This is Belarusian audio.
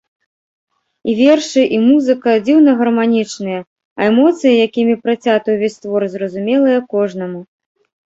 І вершы, і музыка дзіўна гарманічныя, а эмоцыі, якімі працяты ўвесь твор, зразумелыя кожнаму.